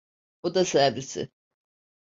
Oda servisi.